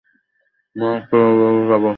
Mont লরিউর যাবো।